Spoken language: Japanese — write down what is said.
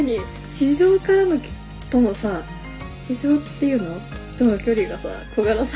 地上からのとのさ地上って言うの？との距離がさ